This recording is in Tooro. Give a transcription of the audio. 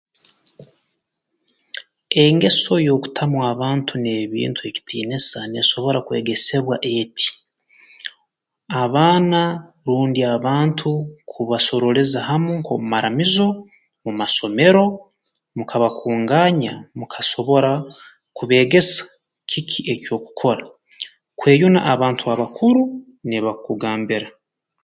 Engeso y'okutamu abantu n'ebintu ekitiinisa neesobora kwegesebwa eti abaana rundi abantu kubasorooleza hamu nk'omu maramizo mu masomero mukabakungaanya mukasobora kubeegesa kiki eky'okukoora kweyuna abantu abakuru n'ebi bakukugambira